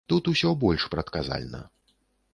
Тут усё больш прадказальна.